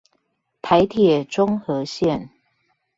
台鐵中和線